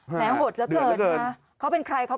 แม้หดและเกิด